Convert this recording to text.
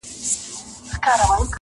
له توبې دي په هغه ګړي معذور سم،